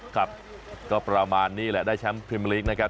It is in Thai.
ครับก็ประมาณนี้แหละได้แชมป์พิมพ์ลีกนะครับ